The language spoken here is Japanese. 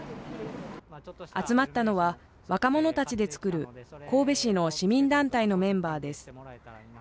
集まったのは、若者たちで作る神戸市の市民団体のメンバーです。